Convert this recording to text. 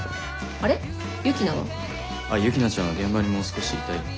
あっユキナちゃんは現場にもう少しいたいって。